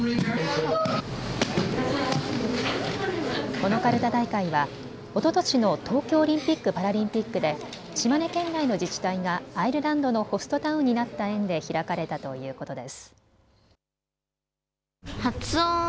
このかるた大会はおととしの東京オリンピック・パラリンピックで島根県内の自治体がアイルランドのホストタウンになった縁で開かれたということです。